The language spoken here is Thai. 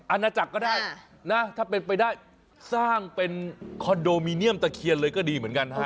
อาณาจักรก็ได้นะถ้าเป็นไปได้สร้างเป็นคอนโดมิเนียมตะเคียนเลยก็ดีเหมือนกันฮะ